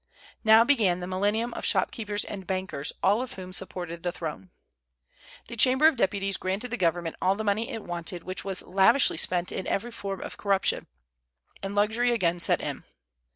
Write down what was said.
Now began the millennium of shopkeepers and bankers, all of whom supported the throne. The Chamber of Deputies granted the government all the money it wanted, which was lavishly spent in every form of corruption, and luxury again set in.